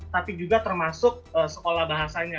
tapi juga termasuk sekolah bahasanya